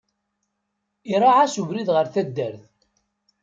Iraε-as ubrid ɣer taddart.